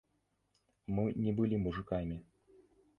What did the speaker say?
Мы не былі мужыкамі.